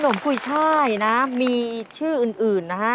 มกุยช่ายนะมีชื่ออื่นนะฮะ